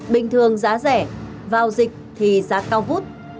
bình thường giá rẻ vào dịch thì giá cao vút